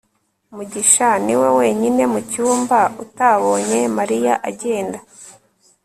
mugisha niwe wenyine mu cyumba utabonye mariya agenda